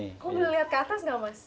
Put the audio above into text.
kok boleh lihat ke atas gak mas